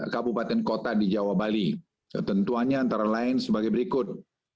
kabupaten kota di jawa bali ketentuannya antara lain sebagai berikut